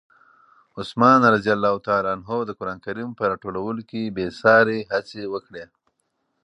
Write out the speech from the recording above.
عثمان رض د قرآن کریم په راټولولو کې بې ساري هڅې وکړې.